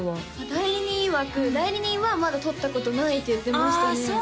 代理人いわく代理人はまだ撮ったことないって言ってましたねああ